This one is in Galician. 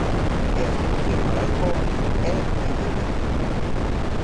E a solución para Alcoa é a intervención.